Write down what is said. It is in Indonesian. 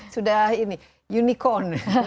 sudah ini unicorn